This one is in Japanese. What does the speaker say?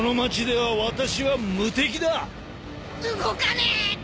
動かねえ。